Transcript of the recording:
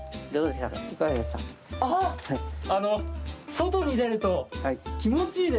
外に出ると気持ちいいですね。